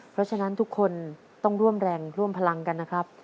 เพราะฉะนั้นทุกคนต้องร่วมแรงร่วมพลังกันนะครับ